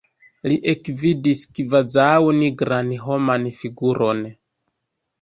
Li ekvidis kvazaŭ nigran homan figuron.